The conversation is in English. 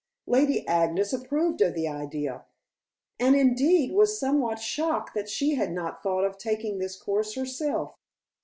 Lady Agnes approved of the idea, and indeed was somewhat shocked that she had not thought of taking this course herself.